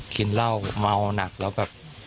กินเหล้าเมาหนักแล้วแบบ